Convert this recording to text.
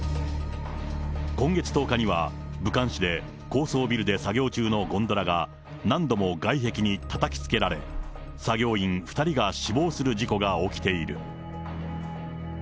今月１０日には、武漢市で高層ビルで作業中のゴンドラが、何度も外壁にたたきつけられ、作業員２人が死亡する事故が起きている。